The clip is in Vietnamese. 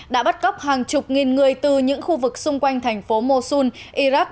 đã bắt góc hàng chục nghìn người từ những khu vực xung quanh thành phố mosul iraq